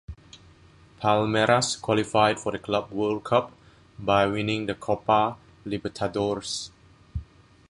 Palmeiras qualified for the Club World Cup by winning the Copa Libertadores.